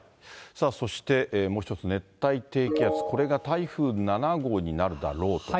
そして、もう一つ、熱帯低気圧、これが台風７号になるだろうと。